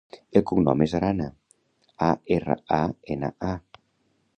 El cognom és Arana: a, erra, a, ena, a.